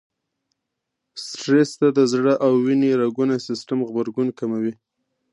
سټرس ته د زړه او وينې رګونو سيستم غبرګون کموي.